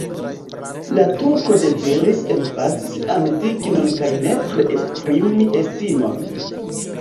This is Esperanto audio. La turko deziris emfazi sian dignon kaj nepre esprimi estimon.